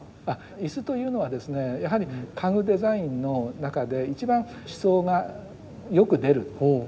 あ椅子というのはですねやはり家具デザインの中で一番思想がよく出る。